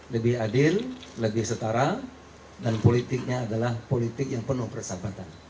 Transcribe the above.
lebih adil lebih setara dan politiknya adalah politik yang penuh persahabatan